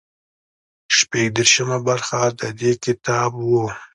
شپږ دېرشمه برخه د دې کتاب وو.